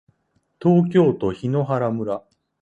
東京都檜原村